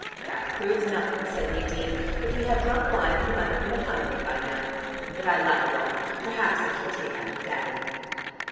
"That proves nothing," said Nadine. "If he had drunk wine he might have been a hundred by now. But I like wine: perhaps I shall take after Daddy."